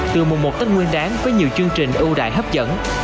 từ mùa một tết nguyên đáng với nhiều chương trình ưu đại hấp dẫn